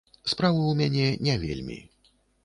Справы ў мяне не вельмі.